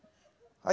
はい。